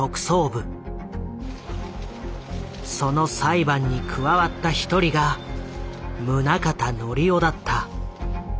その裁判に加わった一人が宗像紀夫だった。